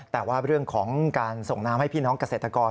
แต่ว่าเรื่องของการส่งน้ำให้พี่น้องเกษตรกร